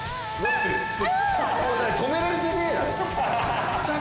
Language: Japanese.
止められてねえよアイツ。